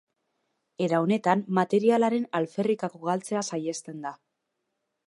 Era honetan, materialaren alferrikako galtzea saihesten da.